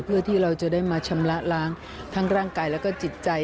เพื่อที่เราจะได้มาชำระล้างทั้งร่างกายแล้วก็จิตใจ